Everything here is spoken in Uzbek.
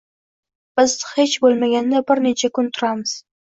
Biz, hech bo'lmaganda bir necha kun turamiz.